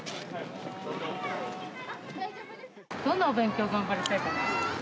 どんなお勉強、頑張りたいかな。